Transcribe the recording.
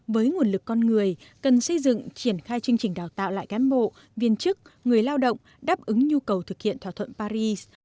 với nguồn lực con người cần xây dựng triển khai chương trình đào tạo lại cán bộ viên chức người lao động đáp ứng nhu cầu thực hiện thỏa thuận paris